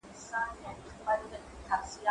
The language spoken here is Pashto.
زه هره ورځ ليکنې کوم